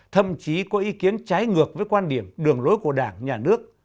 thậm chí có ý kiến trái ngược với quan điểm đường lối của đảng nhà nước